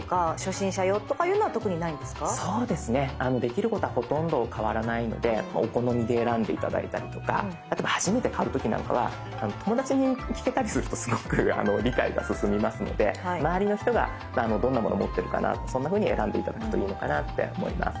そうですねできることはほとんど変わらないのでお好みで選んで頂いたりとかあとは初めて買う時なんかは友達に聞けたりするとすごく理解が進みますので周りの人がどんなものを持ってるかなとそんなふうに選んで頂くといいのかなって思います。